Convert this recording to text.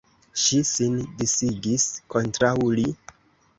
Ŝi sin sidigis kontraŭ li.